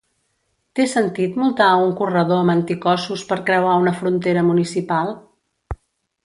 Té sentit multar a un corredor amb anticossos per creuar una frontera municipal?